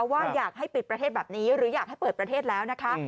ว่าอยากให้ปิดประเทศแบบนี้หรืออยากให้เปิดประเทศแล้วนะคะ